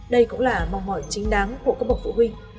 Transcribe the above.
đây cũng là mong mỏi chính đáng của các bậc phụ huynh